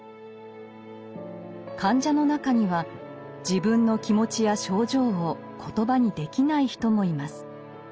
患者の中には自分の気持ちや症状を言葉にできない人もいます。